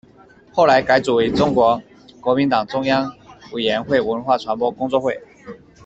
后来改组为中国国民党中央委员会文化传播工作会。